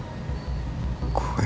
masuk ke dalam